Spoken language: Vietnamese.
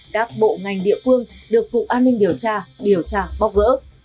các bộ ngành địa phương được cục an ninh điều tra điều tra bóc gỡ